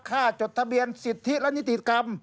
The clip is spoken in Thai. จดทะเบียนสิทธิและนิติกรรม